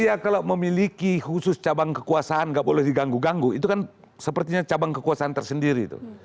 iya kalau memiliki khusus cabang kekuasaan gak boleh diganggu ganggu itu kan sepertinya cabang kekuasaan tersendiri itu